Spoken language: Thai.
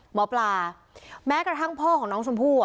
หมอปลาแม้กระทั่งพ่อของน้องชมพู่